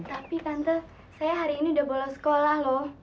tapi tante saya hari ini sudah bolos sekolah